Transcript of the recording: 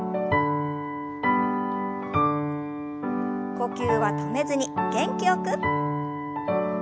呼吸は止めずに元気よく。